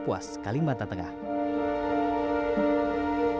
berita terkini mengenai penyakit yang menyebabkan kejadian pembunuhan